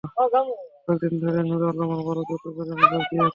কয়েক দিন ধরে নূর আলম আবারও যৌতুকের জন্য চাপ দিয়ে আসছিলেন।